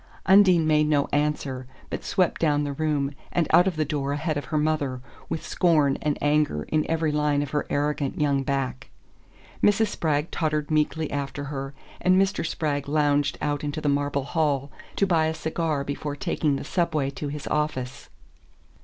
Undine made no answer, but swept down the room, and out of the door ahead of her mother, with scorn and anger in every line of her arrogant young back. Mrs. Spragg tottered meekly after her, and Mr. Spragg lounged out into the marble hall to buy a cigar before taking the Subway to his office.